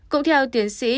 cũng theo tiến sĩ